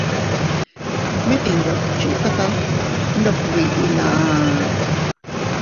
Mit iyduchikata ndog biʼi na.